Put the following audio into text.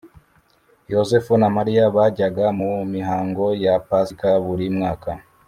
Yosefu na Mariya bajyaga mu mihango ya Pasika buri mwaka